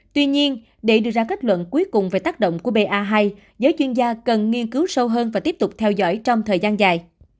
tuy nhiên để đưa ra kết luận cuối cùng về tác động của ba giới chuyên gia cần nghiên cứu sâu hơn và tiếp tục theo dõi trong thời gian dài